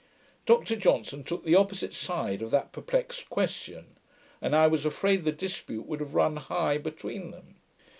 Dr Johnson took the opposite side of that perplexed question; and I was afraid the dispute would have run high between them.